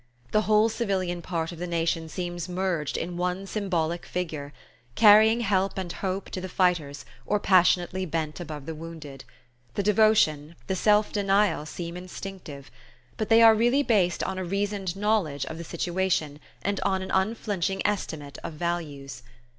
The whole civilian part of the nation seems merged in one symbolic figure, carrying help and hope to the fighters or passionately bent above the wounded. The devotion, the self denial, seem instinctive; but they are really based on a reasoned knowledge of the situation and on an unflinching estimate of values.